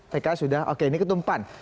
pks sudah oke ini ketumpan